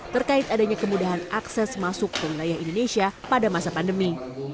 terkait adanya kemudahan akses masuk ke wilayah indonesia pada masa pandemi